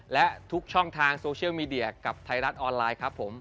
และทุกช่องทางโซเชียลมีเดียกับไทยรัฐออนไลน์ครับผม